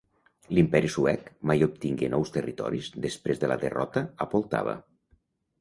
L'Imperi Suec mai obtingué nous territoris després de la derrota a Poltava.